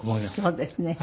そうですね。